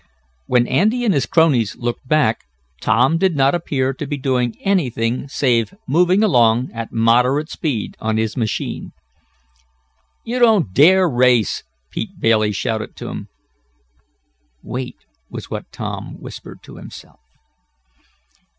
When Andy and his cronies looked back, Tom did not appear to be doing anything save moving along at moderate speed on his machine. "You don't dare race!" Pete Bailey shouted to him. "Wait," was what Tom whispered to himself.